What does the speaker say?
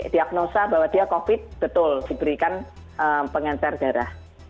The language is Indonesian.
diagnosa bahwa dia covid betul diberikan pengencar darah